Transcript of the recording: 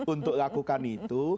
untuk lakukan itu